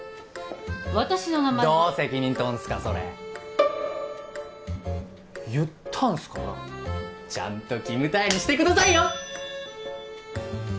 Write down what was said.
私の名前はどう責任とんすかそれ言ったんすからちゃんとキムタヤにしてくださいよ